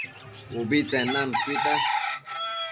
ubitsen nanu chuita